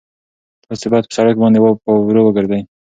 تاسي باید په سړک باندې په ورو ځئ.